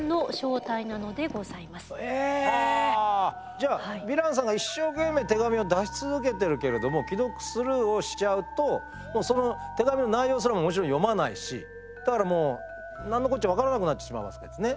じゃあヴィランさんが一生懸命手紙を出し続けてるけれども既読スルーをしちゃうとその手紙の内容すらももちろん読まないしだからもうなんのこっちゃ分からなくなってしまうわけですね。